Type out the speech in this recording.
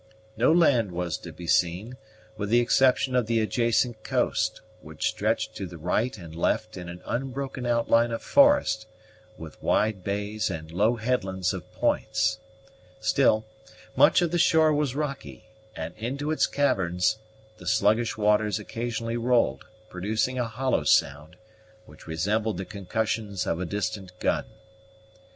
No land was to be seen, with the exception of the adjacent coast, which stretched to the right and left in an unbroken outline of forest with wide bays and low headlands or points; still, much of the shore was rocky, and into its caverns the sluggish waters occasionally rolled, producing a hollow sound, which resembled the concussions of a distant gun.